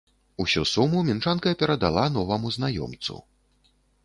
Усю суму мінчанка перадала новаму знаёмцу.